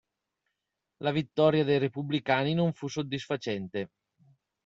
La vittoria dei repubblicani non fu soddisfacente.